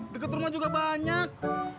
deket rumah juga banyak